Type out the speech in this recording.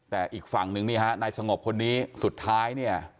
แต่อีกฝั่งหนึ่งในสงบคนนี้สุดท้าย